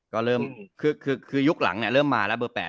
ก็เริ่มคือคือคือคือยุคหลังเนี่ยเริ่มมาแล้วเบอร์๘